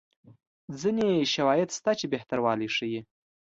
ځیني شواهد شته چې بهتروالی ښيي.